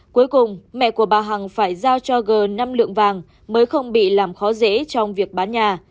cuối cùng mẹ của bà hằng phải giao cho g năm lượng vàng mới không bị làm khó dễ trong việc bán nhà